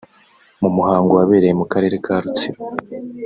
mu muhango wabereye mu karere ka Rutsiro